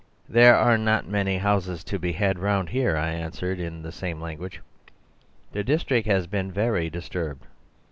"'There are not many houses to be had round here,' I answered in the same language, 'the district has been very disturbed.